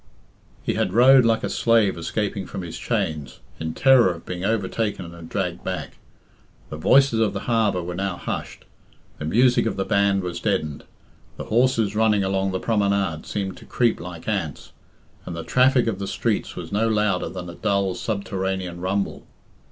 He had rowed like a slave escaping from his chains, in terror of being overtaken and dragged back. The voices of the harbour were now hushed, the music of the band was deadened, the horses running along the promenade seemed to creep like ants, and the traffic of the streets was no louder than a dull subterranean rumble.